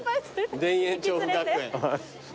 田園調布学園。